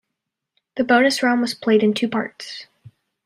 The bonus round was played in two parts.